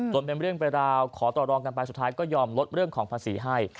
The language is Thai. เป็นเรื่องเป็นราวขอต่อรองกันไปสุดท้ายก็ยอมลดเรื่องของภาษีให้